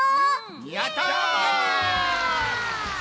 やった！